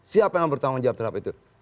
siapa yang bertanggung jawab terhadap itu